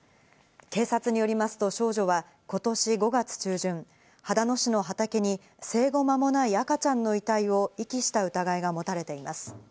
警察によりますと少女はことし５月中旬、秦野市の畑に、生後間もない赤ちゃんの遺体を遺棄した疑いが持たれています。